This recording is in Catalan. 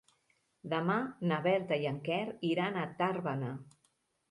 Demà na Berta i en Quer iran a Tàrbena.